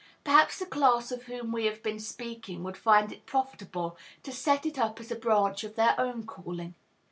Perhaps the class of whom we have been speaking would find it profitable to set it up as a branch of their own calling.